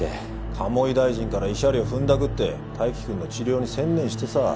鴨井大臣から慰謝料ふんだくって泰生君の治療に専念してさ。